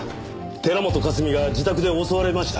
寺本香澄が自宅で襲われました。